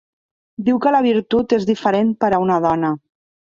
Diu que la virtut és diferent per a una dona.